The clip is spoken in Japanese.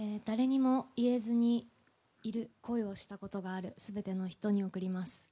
誰も言えずにいる恋をしたことがある全ての人に贈ります。